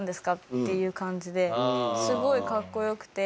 っていう感じですごいかっこよくて。